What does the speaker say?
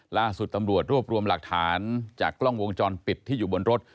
ล่าสุดตำรวจรวบรวมหลักฐานจากกล้องวงจรปิดที่อยู่บนรถ